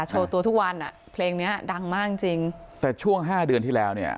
โชว์ตัวทุกวันอ่ะเพลงเนี้ยดังมากจริงจริงแต่ช่วงห้าเดือนที่แล้วเนี่ย